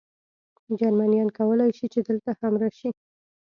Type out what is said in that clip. جرمنیان کولای شي، چې دلته هم راشي.